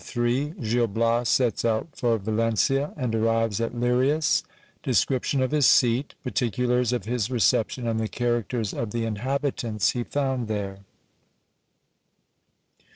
— Gil Bias sets out for Valencia, and arrives at Lirias ; description of his seat; tfie particulars of his reception, and the characters of the inhabitants he found there.